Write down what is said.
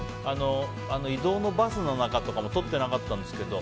移動のバスの中とかも撮ってなかったんですけど